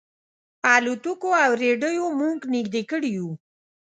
الوتکو او رېډیو موږ نيژدې کړي یو.